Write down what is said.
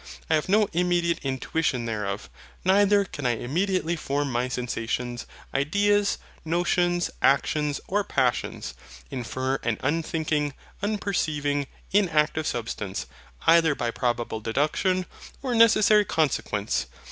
I have no immediate intuition thereof: neither can I immediately from my sensations, ideas, notions, actions, or passions, infer an unthinking, unperceiving, inactive Substance either by probable deduction, or necessary consequence.